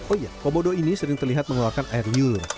oh iya kobodo ini sering terlihat mengeluarkan air liur